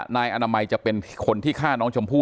นายอนามัยจะเป็นคนที่ฆ่าน้องชมพู่